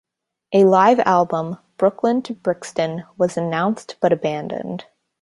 A live album, "Brooklyn To Brixton", was announced but abandoned.